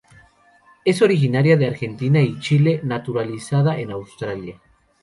Es originaria de Argentina y Chile y naturalizada en Australia.